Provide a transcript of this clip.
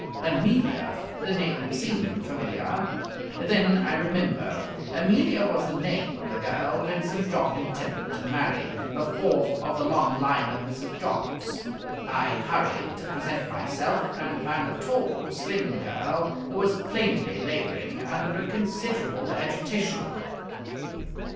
Amelia! The name seemed familiar. Then I remembered. Amelia was the name of the girl Vincent Jopp intended to marry, the fourth of the long line of Mrs. Jopps. I hurried to present myself, and found a tall, slim girl, who was plainly labouring under a considerable agitation.